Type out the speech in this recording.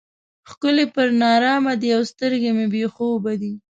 ښکلي پر نارامه دي او سترګې مې بې خوبه دي.